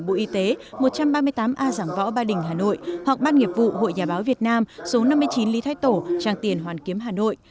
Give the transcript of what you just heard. bộ y tế một trăm ba mươi tám a giảng võ ba đình hà nội hoặc ban nghiệp vụ hội nhà báo việt nam số năm mươi chín lý thái tổ trang tiền hoàn kiếm hà nội